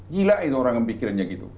gila itu orang yang mikirnya gitu